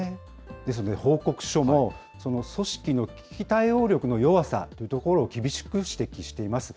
ですので、報告書も、組織の危機対応力の弱さというところを厳しく指摘しています。